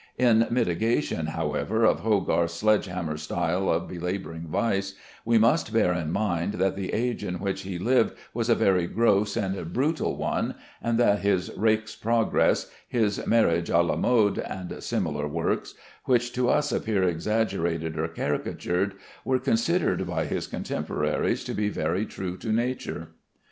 In mitigation, however, of Hogarth's sledge hammer style of belaboring vice, we must bear in mind that the age in which he lived was a very gross and brutal one, and that his "Rake's Progress," his "Marriage à la Mode," and similar works, which to us appear exaggerated or caricatured, were considered by his contemporaries to be very true to nature.